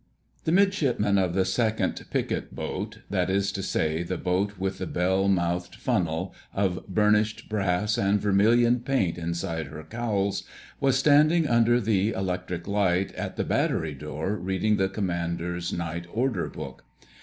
The Midshipman of the Second Picket Boat—that is to say, the boat with the bell mouthed funnel of burnished brass and vermilion paint inside her cowls—was standing under the electric light at the battery door reading the Commander's night order book.